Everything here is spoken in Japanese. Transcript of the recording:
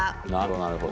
なるほど。